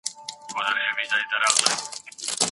سترګي روڼول يوازي دا نه چي خپل شاوخوا ووينې بايد علم هم وکړې .